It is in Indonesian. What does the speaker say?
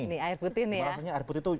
rasanya air putih itu enak banget